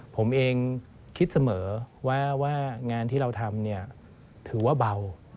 ผมเองคิดเสมอว่างานที่เราทำถือว่าเบา